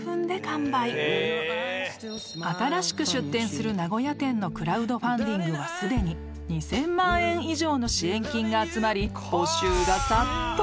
［新しく出店する名古屋店のクラウドファンディングはすでに２，０００万円以上の支援金が集まり募集が殺到］